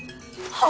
は！？